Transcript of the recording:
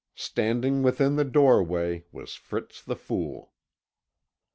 Standing within the doorway was Fritz the Fool.